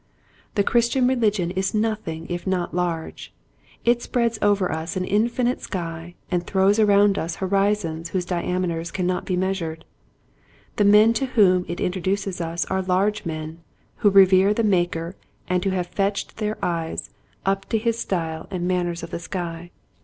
The Christian religion is nothing if not large. It spreads over us an infinite sky and throws around us horizons whose di ameters cannot be measured. The men to whom it mtroduces us are large men, who revere the Maker and who have fetched their eyes "up to his style and Pettiness. 1 43 manners of the sky."